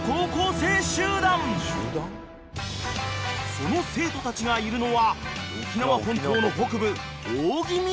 ［その生徒たちがいるのは沖縄本島の北部］